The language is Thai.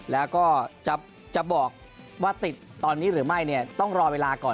แล้วก็จะบอกว่าติดตอนนี้หรือไม่เนี่ยต้องรอเวลาก่อน